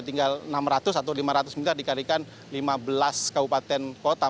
tinggal enam ratus atau lima ratus miliar dikarikan lima belas kabupaten kota